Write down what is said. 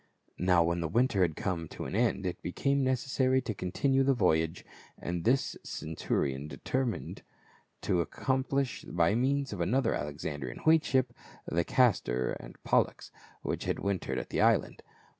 Now when the winter had come to an end it became necessary to continue the voyage, and this the centu rion determined to accomplish by means of another Alexandrian wheat ship, the Castor and Pollux, which had wintered at the island.